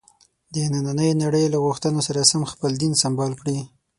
د نننۍ نړۍ له غوښتنو سره سم خپل دین سمبال کړي.